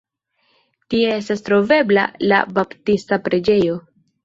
Tie estas trovebla la Baptista Preĝejo.